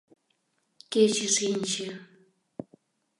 Кече шинче.